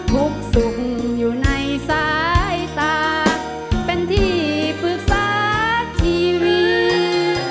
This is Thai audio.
ทุกข์สุขอยู่ในสายตาเป็นที่ปรึกษาชีวิต